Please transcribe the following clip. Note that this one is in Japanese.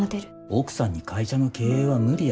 奥さんに会社の経営は無理や。